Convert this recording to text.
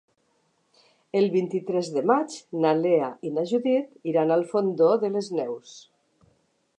El vint-i-tres de maig na Lea i na Judit iran al Fondó de les Neus.